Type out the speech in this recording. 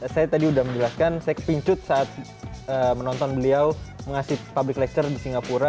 saya tadi udah menjelaskan saya kepincut saat menonton beliau mengasih public leture di singapura